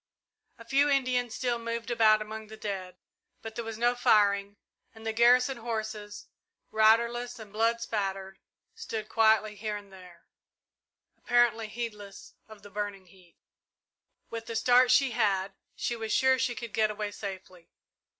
A few Indians still moved about among the dead, but there was no firing, and the garrison horses, riderless and blood spattered, stood quietly here and there, apparently heedless of the burning heat. With the start she had, she was sure she could get away safely.